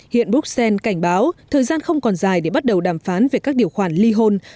hiện bruxelles cảnh báo thời gian không còn dài để bắt đầu đàm phán về các điều khoản ly hôn